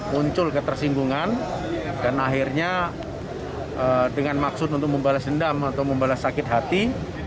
muncul ketersinggungan dan akhirnya dengan maksud untuk membalas dendam atau membalas sakit hati